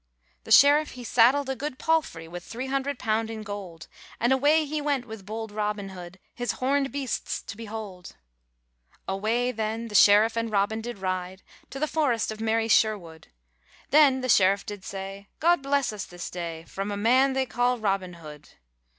The sheriff he saddled a good palfrey, With three hundred pound in gold, And awav he went with bold Robin Hood, v His horned beasts to behold. RAINBOW GOLD Away then the sheriff and Robin did ride, To the forrest of merry Sherwood; Then the sheriff did say, ' God bless us this day From a man they call Robin Hood!'